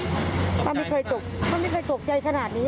ตกใจหรือเปล่าก็ไม่เคยตกใจขนาดนี้